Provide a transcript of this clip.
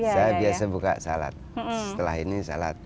saya biasa buka salat setelah ini salat